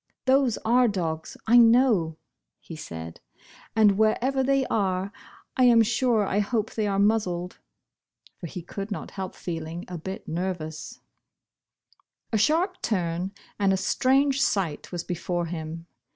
"Those are dogs, I know," he said, "and wherever they are, I am sure I hope they are muzzled,"' for he could not help feeling a bit nervous. Bosh Bosh Oil. 21 A sharp turn, and a strange sight was before him.